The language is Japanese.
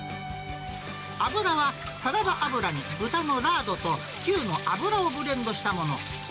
油はサラダ油に豚のラードと牛の脂をブレンドしたもの。